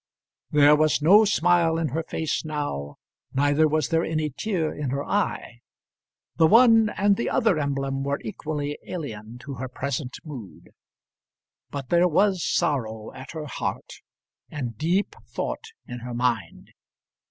There was no smile in her face now, neither was there any tear in her eye. The one and the other emblem were equally alien to her present mood. But there was sorrow at her heart, and deep thought in her mind.